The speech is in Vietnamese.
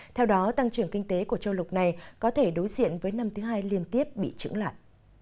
theo đó tăng trưởng kinh tế của châu lục này có thể đối diện với năm thứ hai liên tiếp bị trứng lại